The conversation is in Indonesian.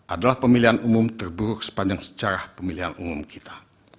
adalah pemilihan umum terburuk sepanjang sejarah pemilihan umum kita